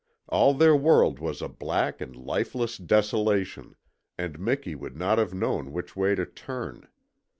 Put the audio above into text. All their world was a black and lifeless desolation and Miki would not have known which way to turn.